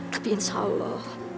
tapi insya allah